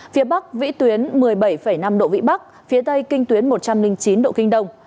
phía bắc vĩ tuyến một mươi bảy năm độ vĩ bắc phía tây kinh tuyến một trăm linh chín độ kinh đông